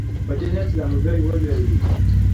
اوس حالات بدل شوي دي.